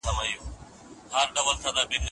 ډاکټره ایزابیل سوریوماترام وویل چې توپیرونه زیات دي.